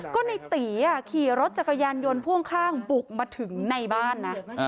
ก็ในตีขี่รถจักรยานยนต์พ่วงข้างบุกมาถึงในบ้านนะ